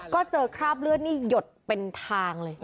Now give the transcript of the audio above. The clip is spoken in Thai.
ก็เจอคราบเลือดนี่หยดเป็นทางเลย